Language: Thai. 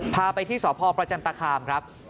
พาไปที่สพประจันตคามครับ